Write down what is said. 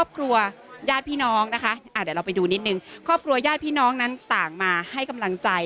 ครอบครัวยาดพี่น้องต่างมาให้กำลังใจ